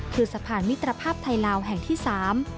คือสะพานมิตรภาพไทยลาวแห่งที่สาม